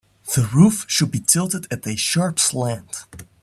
The roof should be tilted at a sharp slant.